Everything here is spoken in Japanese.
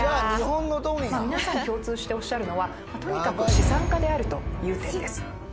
皆さん共通しておっしゃるのはとにかく資産家であるという点です